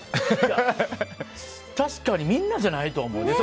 確かにみんなじゃないと思う。